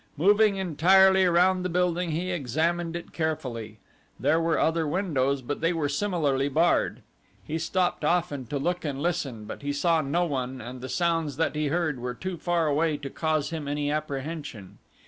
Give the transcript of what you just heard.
Moving entirely around the building he examined it carefully. There were other windows but they were similarly barred. He stopped often to look and listen but he saw no one and the sounds that he heard were too far away to cause him any apprehension.